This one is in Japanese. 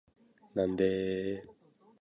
なんでーーー